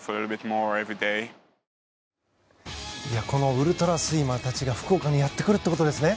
ウルトラスイマーたちが福岡にやってくるということですね。